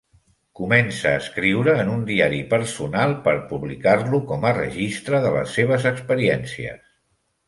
Comença a escriure en un diari personal per publicar-lo com a registre de les seves experiències.